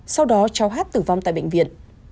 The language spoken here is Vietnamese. sau đó cháu h tử vong tại bệnh viện